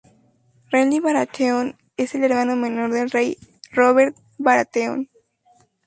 Renly Baratheon es el hermano menor del rey Robert Baratheon.